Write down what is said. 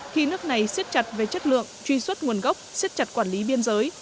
khi nước này siết chặt về chất lượng truy xuất nguồn gốc siết chặt quản lý biên giới